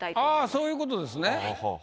そういうことですね。